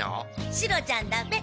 シロちゃんだべ。